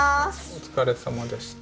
お疲れさまでした。